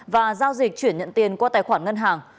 và giao dịch chuyển nhận tiền qua tài khoản ngân hàng